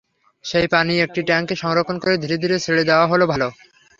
সেই পানি একটি ট্যাংকে সংরক্ষণ করে ধীরে ধীরে ছেড়ে দেওয়া হলে ভালো।